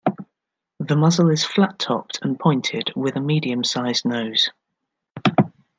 The muzzle is flat-topped and pointed, with a medium-sized nose.